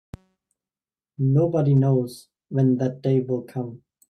Nobody knows when that day will come.